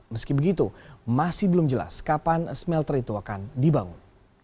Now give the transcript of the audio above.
meski begitu masih belum jelas kapan smelter itu akan dibangun